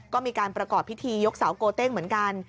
ก็มีการประกอบพิธียกเสาโกเต้งเหมือนกัน